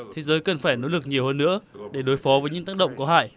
thế giới cần phải nỗ lực nhiều hơn nữa để đối phó với những tác động có hại